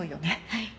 はい。